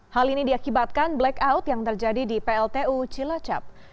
hal ini diakibatkan blackout yang terjadi di pltu cilacap